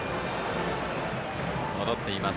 戻っています。